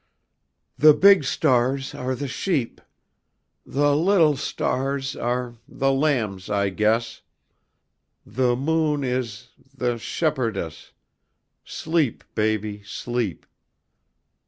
"The big stars are the sheep, The little ... stars ... are ... the lambs, I guess. The moon ... is ... the ... shepher ... dess, Sleep, Baby ... Sleep